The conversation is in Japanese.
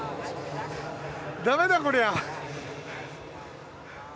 だめだこりゃ。